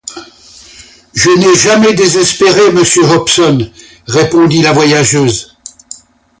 Je n’ai jamais désespéré, monsieur Hobson, répondit la voyageuse.